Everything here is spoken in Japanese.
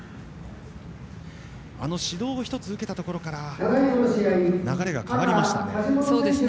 指導を１つ受けたところから流れが変わりましたね。